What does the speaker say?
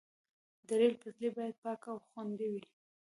د ریل پټلۍ باید پاکه او خوندي وي.